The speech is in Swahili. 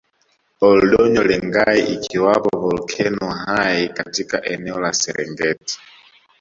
Ol Doinyo Lengai ikiwapo volkeno hai katika eneo la Serengeti